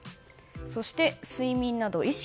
そして睡眠など意識